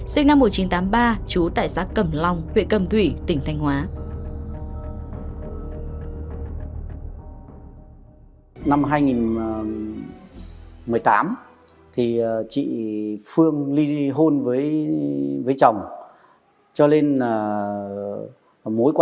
sinh năm một nghìn chín trăm tám mươi ba trú tại xã cẩm long huyện cầm thủy tỉnh thanh hóa